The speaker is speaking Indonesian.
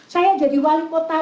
saya jadi wali kota